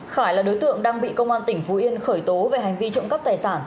khải là đối tượng đang bị công an tỉnh phú yên khởi tố về hành vi trộm cắp tài sản